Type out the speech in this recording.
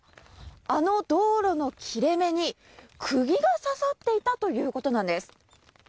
あの道路の切れ目に釘が刺さっていたということなんです。